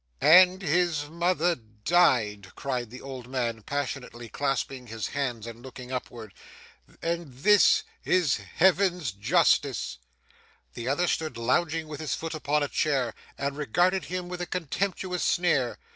'And his mother died!' cried the old man, passionately clasping his hands and looking upward; 'and this is Heaven's justice!' The other stood lounging with his foot upon a chair, and regarded him with a contemptuous sneer.